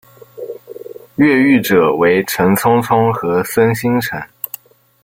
越狱者为陈聪聪和孙星辰。